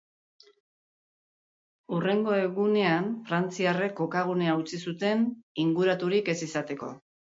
Hurrengo egunean frantziarrek kokagunea utzi zuten inguraturik ez izateko.